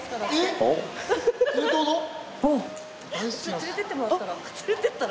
連れてってもらったら？